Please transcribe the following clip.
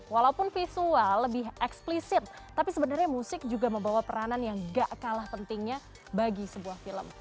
walaupun visual lebih eksplisit tapi sebenarnya musik juga membawa peranan yang gak kalah pentingnya bagi sebuah film